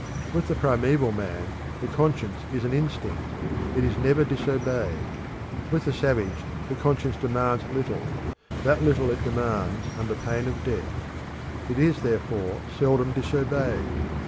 With the primeval man the conscience is an instinct; it is never disobeyed. With the savage the conscience demands little; that little it demands under pain of death; it is, therefore, seldom disobeyed.